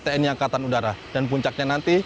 tni angkatan udara dan puncaknya nanti